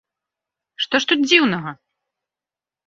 Што ж тут дзіўнага?!